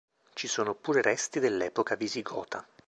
Ci sono pure resti dell'epoca visigota.